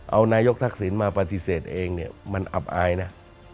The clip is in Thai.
เอานายกทักษิณมาปฏิเสธเองเนี่ยมันอับอายนะ